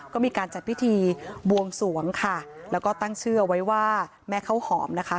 ก็มีการจัดพิธีบวงสวงค่ะแล้วก็ตั้งชื่อเอาไว้ว่าแม่ข้าวหอมนะคะ